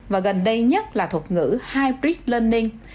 và gần đây nhất là thuật ngữ hybrid learning